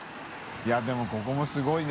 いでもここもすごいな。